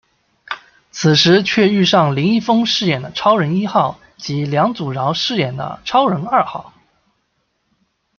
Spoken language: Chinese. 此时却遇上林一峰饰演的超人一号及梁祖尧饰演的超人二号。